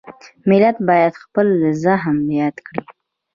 ملت باید خپل زخم یاد کړي.